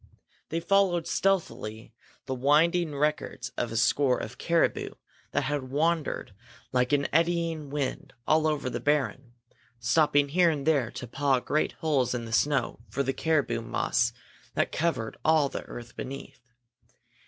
They followed stealthily the winding records of a score of caribou that had wandered like an eddying wind all over the barren, stopping here and there to paw great holes in the snow for the caribou moss that covered all the earth beneath.